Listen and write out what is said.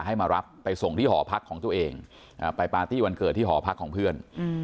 ให้มารับไปส่งที่หอพักของตัวเองไปปาร์ตี้วันเกิดที่หอพักของเพื่อน